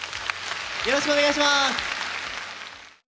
よろしくお願いします！